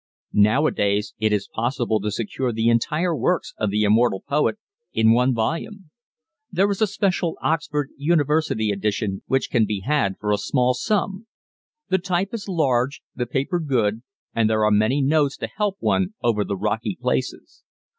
Nowadays it is possible to secure the entire works of the immortal poet in one volume. There is a special Oxford University edition which can be had for a small sum. The type is large, the paper good and there are many notes to help one over the rocky places.